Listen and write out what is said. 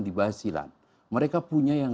di bahasilan mereka punya yang